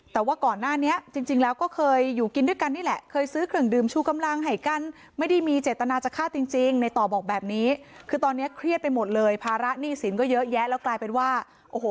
แต่ว่าก่อนหน้านี้จริงแล้วก็เคยอยู่กินด้วยกันนี่แหละเคยซื้อเครื่องดื่มชูกำลังให้กันไม่ได้มีเจตนาจะฆ่าจริงในต่อบอกแบบนี้คือตอนนี้เครียดไปหมดเลยภาระหนี้สินก็เยอะแยะแล้วกลายเป็นว่าโอ้โห